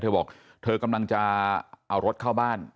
เธอบอกเธอกำลังจะเอารถเข้าบ้าน